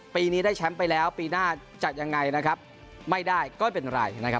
ปีนี้ได้แชมป์ไปแล้วปีหน้าจะยังไงนะครับไม่ได้ก็เป็นไรนะครับ